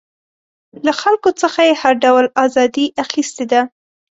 له خلکو څخه یې هر ډول ازادي اخیستې ده.